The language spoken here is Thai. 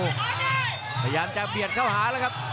พยายามจะเบียดเข้าหาแล้วครับ